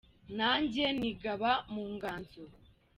Nanjye nigaba mu nganzo